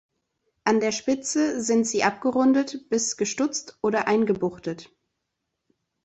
An der Spitze sind sie abgerundet bis gestutzt oder eingebuchtet.